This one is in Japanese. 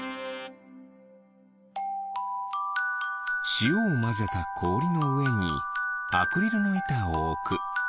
しおをまぜたこおりのうえにアクリルのいたをおく。